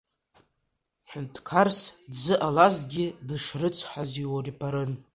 Ҳәынҭқарс дзыҟалазҭгьы дышрыцҳаз уирбарын.